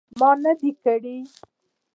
ما نه دي کړي